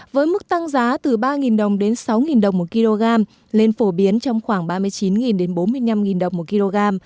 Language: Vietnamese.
với mức tăng giá từ ba đồng đến sáu đồng một kg lên phổ biến trong khoảng ba mươi chín đến bốn mươi năm đồng một kg